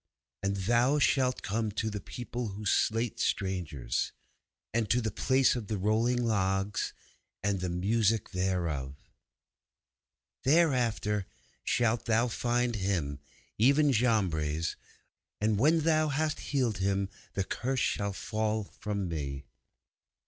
And thou shalt come to the people who slate strangers, and to the place of the Rolling of Logs, and the music thereof. 'Thereafter shalt thou find Him, even Jambres. And when thou hast healed him the Curse shall fall from me!